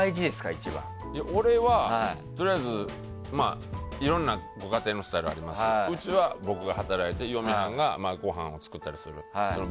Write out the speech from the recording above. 俺はとりあえずいろんな家庭のスタイルがありますけどうちは僕が働いて嫁はんがご飯を作ったりするっていうそれ